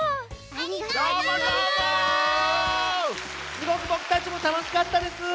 すごくぼくたちもたのしかったです。